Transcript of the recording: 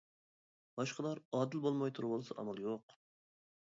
باشقىلار ئادىل بولماي تۇرۇۋالسا ئامال يوق.